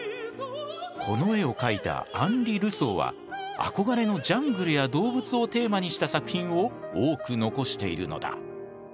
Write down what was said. この絵を描いたアンリ・ルソーは憧れのジャングルや動物をテーマにした作品を多く残しているのだ。